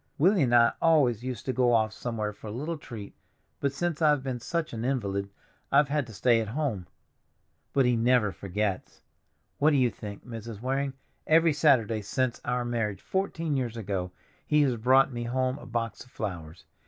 Willie and I always used to go off somewhere for a little treat, but since I've been such an invalid I've had to stay at home. But he never forgets. What do you think, Mrs. Waring, every Saturday since our marriage, fourteen years ago, he has brought me home a box of flowers!